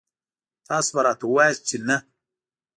تاسو به راته وواياست چې نه.